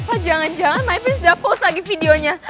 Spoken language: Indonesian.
apa jangan jangan my prince udah post lagi videonya